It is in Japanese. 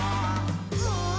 うー。